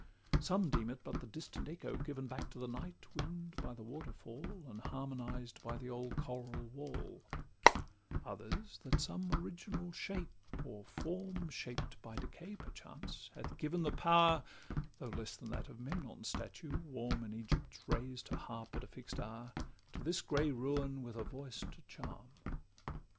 Some deem it but the distant echo given Back to the night wind by the waterfall, And harmonised by the old choral wall: LXIV Others, that some original shape, or form Shaped by decay perchance, hath given the power (Though less than that of Memnon's statue, warm In Egypt's rays, to harp at a fix'd hour) To this grey ruin, with a voice to charm.